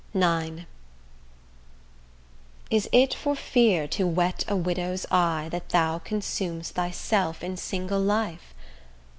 IX Is it for fear to wet a widow's eye, That thou consum'st thyself in single life?